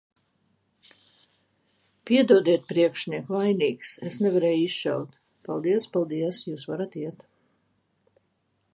-Piedodiet, priekšniek, vainīgs. Es nevarēju izšaut. -Paldies, paldies. Jūs varat iet.